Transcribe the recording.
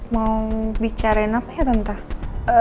mau bicarain apa ya tentang